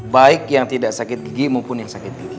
baik yang tidak sakit gigi maupun yang sakit gigi